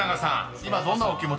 今どんなお気持ちですか？］